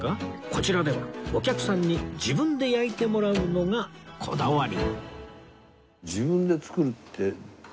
こちらではお客さんに自分で焼いてもらうのがこだわり